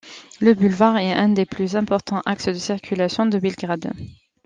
Le Bulevar est un des plus importants axes de circulation de Belgrade.